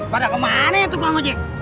pada kemana ya tukang ojek